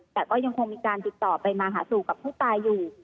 แต่ก็ยังคงมีการติดต่อไปมาหาสู่กับผู้ตายอยู่